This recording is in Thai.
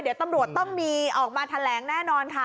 เดี๋ยวตำรวจต้องมีออกมาแถลงแน่นอนค่ะ